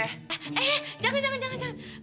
eh eh eh jangan jangan jangan jangan